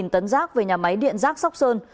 một tấn rác về nhà máy điện rác sóc sơn